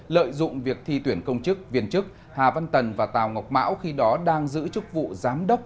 lợi dụng việc thi tuyển công chức viên chức hà văn tần và tàu ngọc mão khi đó đang giữ chức vụ giám đốc